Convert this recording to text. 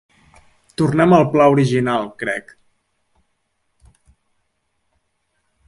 Tornem al pla original, crec.